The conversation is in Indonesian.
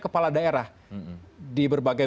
kepala daerah di berbagai